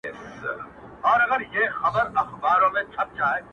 باد را الوتی ـ له شبِ ستان دی ـ